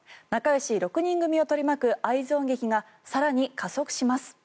仲よし６人組を取り巻く愛憎劇が更に加速します。